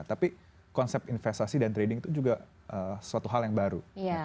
tapi konsep investasi dan trading itu juga suatu hal yang baru